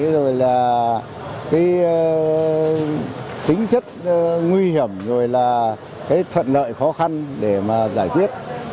rồi là tính chất nguy hiểm